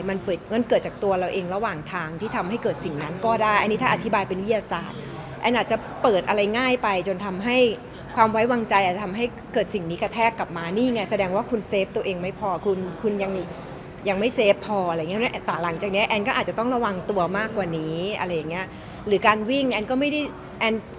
มันเปิดงั้นเกิดจากตัวเราเองระหว่างทางที่ทำให้เกิดสิ่งนั้นก็ได้อันนี้ถ้าอธิบายเป็นวิทยาศาสตร์แอนอาจจะเปิดอะไรง่ายไปจนทำให้ความไว้วางใจอาจจะทำให้เกิดสิ่งนี้กระแทกกลับมานี่ไงแสดงว่าคุณเซฟตัวเองไม่พอคุณคุณยังยังไม่เซฟพออะไรอย่างเงี้นะแต่หลังจากเนี้ยแอนก็อาจจะต้องระวังตัวมากกว่านี้อะไรอย่างเงี้ยหรือการวิ่งแอนก็ไม่ได้แอน